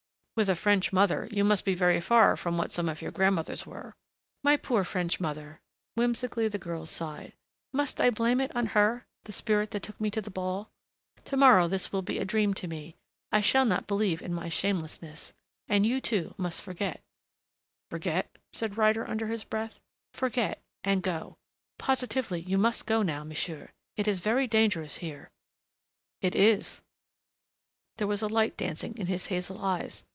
"With a French mother, you must be very far from what some of your grandmothers were!" "My poor French mother!" Whimsically the girl sighed. "Must I blame it on her the spirit that took me to the ball?... To morrow this will be a dream to me.... I shall not believe in my shamelessness.... And you, too, must forget " "Forget?" said Ryder under his breath. "Forget and go. Positively you must go now, monsieur. It is very dangerous here " "It is." There was a light dancing in his hazel eyes.